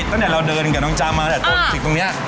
ตั้งแต่เราเดินกับน้องจามมาแต่ตรงนี้